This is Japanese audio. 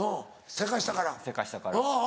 せかしたから。